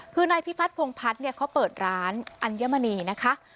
คือนายพิพัฒนพงพัฒน์เนี่ยเขาเปิดร้านอัญมณีนะคะ